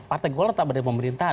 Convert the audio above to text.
partai golkar tetap ada di pemerintahan